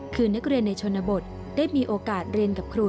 คือนักเรียนในชนบทได้มีโอกาสเรียนกับครู